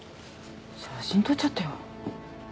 写真撮っちゃったよ。